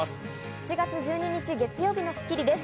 ７月１２日、月曜日の『スッキリ』です。